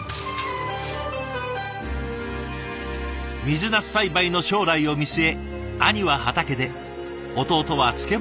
水なす栽培の将来を見据え兄は畑で弟は漬物工房で。